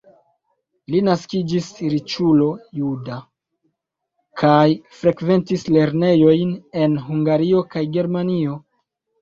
Li naskiĝis riĉulo juda kaj frekventis lernejojn en Hungario kaj Germanio.